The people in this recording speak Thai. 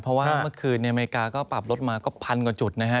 เพราะว่าเมื่อคืนอเมริกาก็ปรับลดมาก็พันกว่าจุดนะฮะ